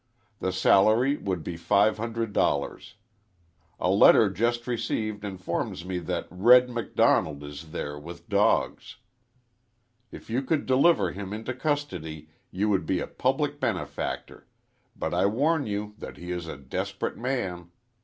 The salary would be five hundred dollars. A letter just received informs me that 'Red' Macdonald is there with dogs. If you could deliver him into custody you would be a public benefactor, but I warn you that he is a desperate man.